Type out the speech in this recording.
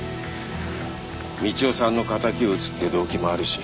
道夫さんの敵を討つっていう動機もあるし。